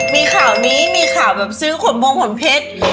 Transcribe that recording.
มีข่าวนี้มีข่าวแบบซื้อขนมขนเพชร